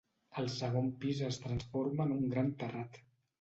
El segon pis es transforma en un gran terrat.